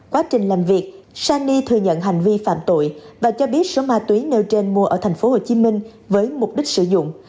quá trình làm việc sa ni thừa nhận hành vi phạm tội và cho biết số ma túy nêu trên mua ở thành phố hồ chí minh với mục đích sử dụng